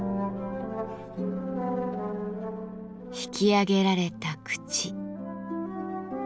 ひき上げられた口。